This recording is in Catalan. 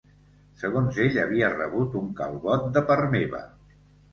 Segons ell havia rebut un calbot de part meva.